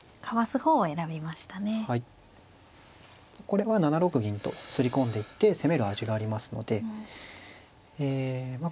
これは７六銀とすり込んでいって攻める味がありますのでえま